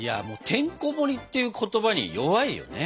「てんこもり」っていう言葉に弱いよね。